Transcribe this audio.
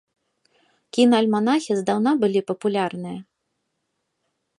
Кінаальманахі здаўна былі папулярныя.